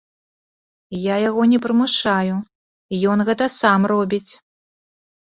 Я яго не прымушаю, ён гэта сам робіць.